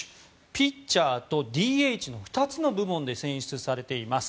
ピッチャーとＤＨの２つの部門で選出されました。